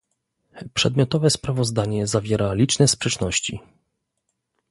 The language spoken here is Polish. Przedmiotowe sprawozdanie zawiera liczne sprzeczności